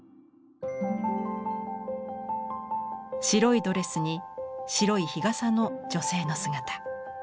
白いドレスに白い日傘の女性の姿。